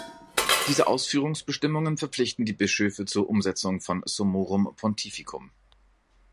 Diese Ausführungsbestimmungen verpflichten die Bischöfe zur Umsetzung von "Summorum Pontificum".